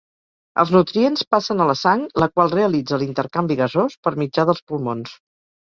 Els nutrients passen a la sang, la qual realitza l'intercanvi gasós per mitjà dels pulmons.